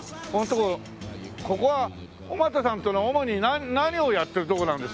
ここはオマタさんっていうのは主に何をやってるとこなんですか？